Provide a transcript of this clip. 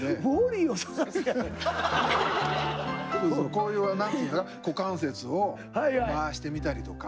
こういう何ていう股関節を回してみたりとか。